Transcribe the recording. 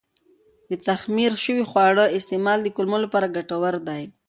د تخمیر شوي خواړو استعمال د کولمو لپاره ګټور دی.